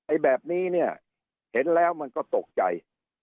แบบนี้เนี่ยเห็นแล้วมันก็ตกใจ